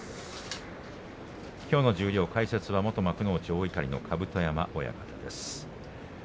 きょうの十両解説は元幕内の甲山親方です。